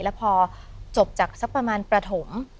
แล้วพอจบจากสักประมาณประถม